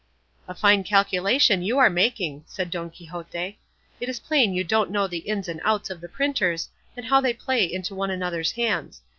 "A fine calculation you are making!" said Don Quixote; "it is plain you don't know the ins and outs of the printers, and how they play into one another's hands.